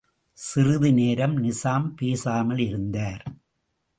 சிறிதுநேரம் நிசாம் பேசாமல் இருந்தார்.